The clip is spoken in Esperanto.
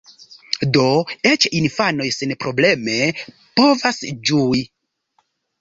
Do eĉ infanoj senprobleme povas ĝui.